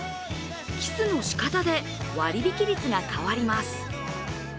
キスのしかたで割引率が変わります。